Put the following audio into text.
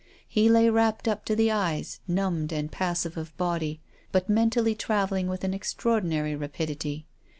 He lay wrapped up to the eyes, numbed and passive of body, but mentally travelling with an extraordinary rapidity.